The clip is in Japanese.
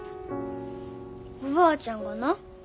おばあちゃんがな